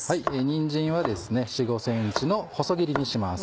にんじんは４５ｃｍの細切りにします。